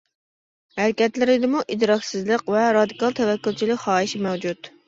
ھەرىكەتلىرىدىمۇ ئىدراكسىزلىق ۋە رادىكال تەۋەككۈلچىلىك خاھىشى مەۋجۇت.